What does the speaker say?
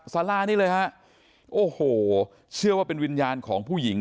สารานี้เลยฮะโอ้โหเชื่อว่าเป็นวิญญาณของผู้หญิง